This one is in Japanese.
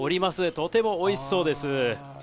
とてもおいしそうです。